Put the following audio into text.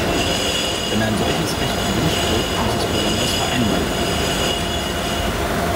Wenn ein solches Recht gewünscht wird, muss es besonders vereinbart werden.